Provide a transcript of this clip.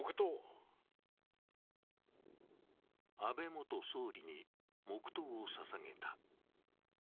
安倍元総理に黙とうをささげた。